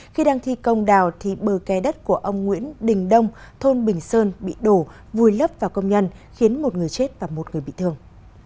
khi đang thi công đào thì bờ kè đất của ông nguyễn đình đông thôn bình sơn bị đổ vùi lấp vào công nhân khiến một người chết và một người bị thương